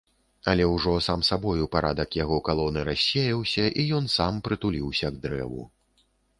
Але ўжо сам сабою парадак яго калоны рассеяўся і ён сам прытуліўся к дрэву.